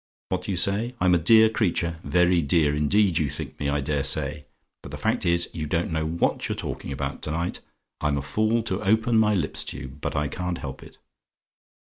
"What do you say? "I'M A DEAR CREATURE? "Very dear, indeed, you think me, I dare say. But the fact is, you don't know what you're talking about to night. I'm a fool to open my lips to you but I can't help it.